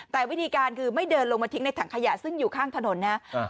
แต่วิธีการคือไม่เดินลงมาทิ้งในถังขยะซึ่งอยู่ข้างถนนนะครับ